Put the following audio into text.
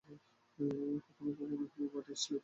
কখনও কখনও একটি মাটির স্ল্যাব মোটা মোটের বিকল্প হতে পারে।